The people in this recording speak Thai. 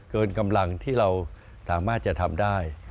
เกินกำลังที่เราสามารถจะทำได้